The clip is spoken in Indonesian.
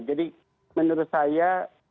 jadi menurut saya